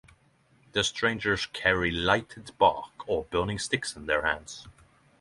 The strangers carry lighted bark or burning sticks in their hands.